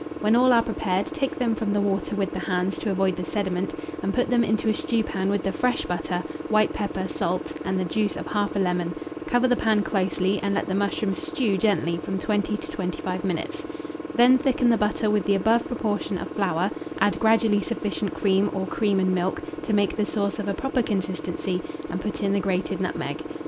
When all are prepared, take them from the water with the hands, to avoid the sediment, and put them into a stewpan with the fresh butter, white pepper, salt, and the juice of 1/2 lemon; cover the pan closely, and let the mushrooms stew gently from 20 to 25 minutes; then thicken the butter with the above proportion of flour, add gradually sufficient cream, or cream and milk, to make the sauce of a proper consistency, and put in the grated nutmeg.